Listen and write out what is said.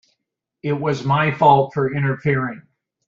It was my fault for interfering.